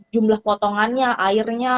jumlah potongannya airnya